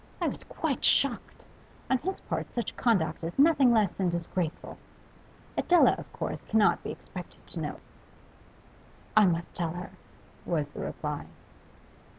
'I was quite shocked. On his part such conduct is nothing less than disgraceful. Adela, of course, cannot be expected to know.' 'I must tell her,' was the reply.